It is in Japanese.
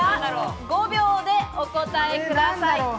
５秒でお答えください。